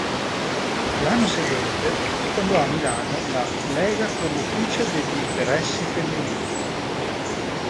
L'anno seguente fondò a Milano la "Lega promotrice degli interessi femminili".